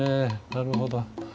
なるほど。